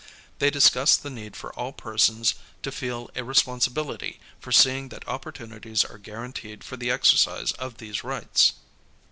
They discussed the need for all persons to feel a responsibility for seeing that oj^portunities are guaranteed for the exercise of these rights.